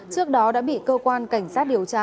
trước đó đã bị cơ quan cảnh sát điều tra